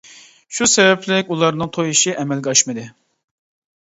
شۇ سەۋەبلىك ئۇلارنىڭ توي ئىشى ئەمەلگە ئاشمىدى.